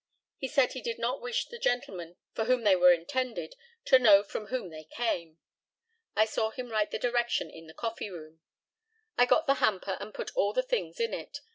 He said he did not wish the gentleman for whom they were intended to know from whom they came. I saw him write the direction in the coffee room. I got the hamper and put all the things in it.